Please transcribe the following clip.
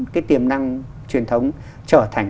cái tiềm năng truyền thống trở thành